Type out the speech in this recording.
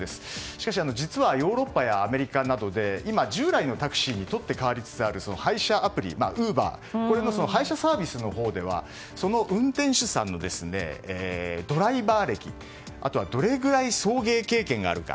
しかし実はヨーロッパやアメリカなどで今、従来のタクシーにとってかわりつつある配車アプリ、ウーバーこれの配車サービスのほうではその運転手さんのドライバー歴あとはどれぐらい送迎経験があるか。